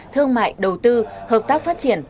thương mại đầu tư hợp tác phát triển